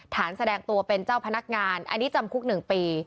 แสดงตัวเป็นเจ้าพนักงานอันนี้จำคุก๑ปี